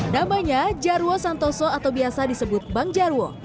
namanya jarwo santoso atau biasa disebut bang jarwo